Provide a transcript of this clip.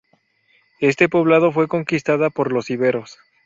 Este poblado fue conquistada por los íberos.